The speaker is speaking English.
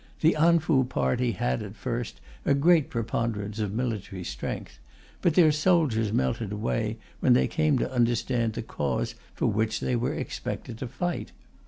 The An Fu party had, at first, a great preponderance of military strength; but their soldiers melted away when they came to understand the cause for which they were expected to fight.